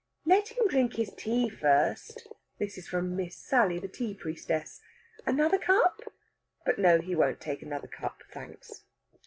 "Let him drink his tea first." This is from Miss Sally, the tea priestess. "Another cup?" But no; he won't take another cup, thanks.